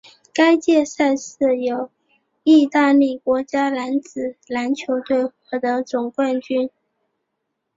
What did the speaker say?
该届赛事由义大利国家男子篮球队获得总冠军。